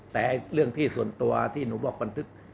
แต่เรื่องที่ส่วนตัวที่หนูบอกบันทึก